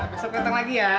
besok datang lagi ya